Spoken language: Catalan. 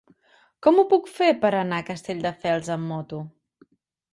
Com ho puc fer per anar a Castelldefels amb moto?